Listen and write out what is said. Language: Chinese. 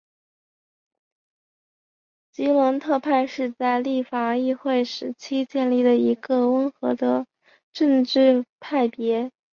吉伦特派是在立法议会时期建立的一个温和的政治派别。